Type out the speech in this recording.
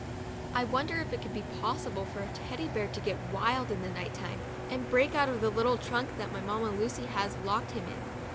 I wonder if it could be possible for Teddy Bear to get wild in the night time, and break out of the little trunk that Mamma Lucy has locked him in.